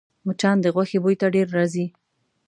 مچان د غوښې بوی ته ډېر راځي